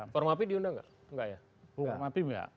formapi diundang nggak